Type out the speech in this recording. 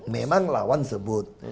memang lawan sebut